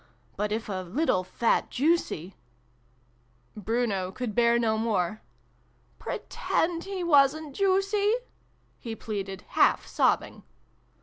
But, if a little fat juicy Bruno could bear no more. " Pretend he wasn't juicy !" he pleaded, half sobbing.